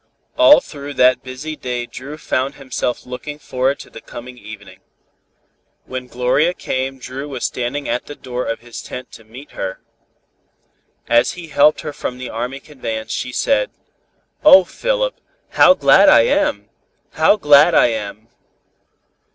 All through that busy day Dru found himself looking forward to the coming evening. When Gloria came Dru was standing at the door of his tent to meet her. As he helped her from the army conveyance she said: "Oh, Philip, how glad I am! How glad I am!"